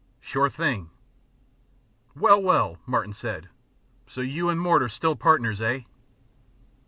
"Sure thing." "Well, well!" Martin said. "So you and Mort are still partners, eh?"